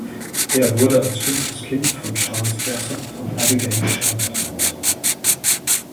Er wurde als fünftes Kind von Charles Jesup und Abigail Sherwood geboren.